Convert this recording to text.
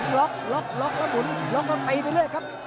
ล็อกล็อกแล้วหมุนล็อกแล้วตีไปเรื่อยครับ